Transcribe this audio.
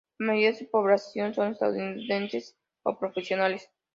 La mayoría de su población son estudiantes o profesionales.